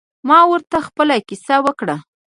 ما ورته خپله کیسه وکړه.